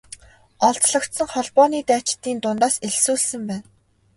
Олзлогдсон холбооны дайчдын дундаас элсүүлсэн байна.